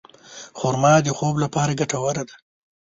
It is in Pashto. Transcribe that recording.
خرما د خوب لپاره ګټوره ده.